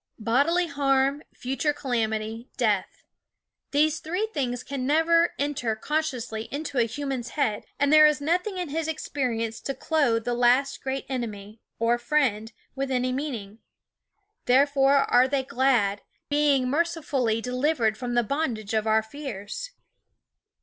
Bodily harm, future calamity, death, these three things can never enter con sciously into the animal's head ; and there is THE WOODS nothing in his experience to clothe the last great enemy, or friend, with any meaning. Therefore are they glad, being mercifully delivered from the bondage of our fears.